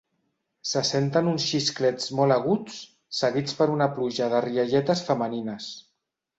Se senten uns xisclets molt aguts seguits per una pluja de rialletes femenines.